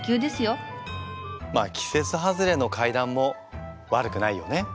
まあ季節外れの怪談も悪くないよね。